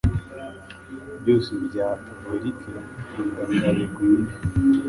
Byose bya dovelike gutaka beguile.